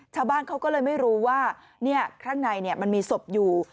ชาวบ้านเขาก็เลยไม่รู้ว่าข้างในมันมีศพอยู่